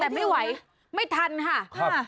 แต่ไม่ไหวไม่ทันค่ะ